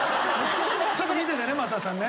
ちょっと見ててね松田さんね。